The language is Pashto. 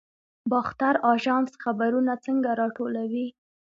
باختر اژانس خبرونه څنګه راټولوي؟